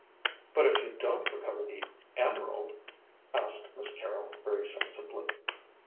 "But if you don't recover the emerald?" asked Miss Carrol very sensibly.